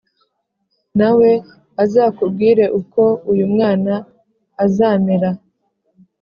na we azakubwire uko uyu mwana azamera”